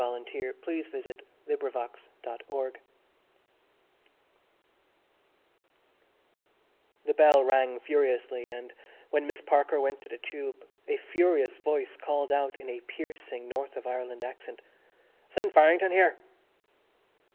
COUNTERPARTS The bell rang furiously and, when Miss Parker went to the tube, a furious voice called out in a piercing North of Ireland accent: "Send Farrington here!"